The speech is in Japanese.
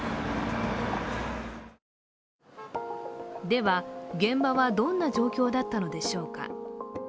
では現場はどんな状況だったのでしょうか。